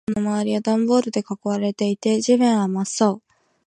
駐車場の端っこ。僕らの周りはダンボールで囲われていて、地面は真っ青。